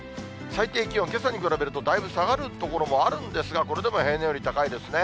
最低気温、けさに比べるとだいぶ下がる所もあるんですが、これでも平年より高いですね。